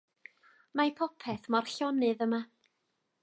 Mae popeth mor llonydd yma.